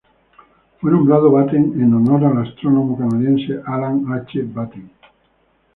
Fue nombrado Batten en honor al astrónomo canadiense Alan H. Batten.